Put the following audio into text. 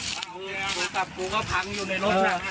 โทรศัพท์กูก็พังอยู่ในรถน่ะ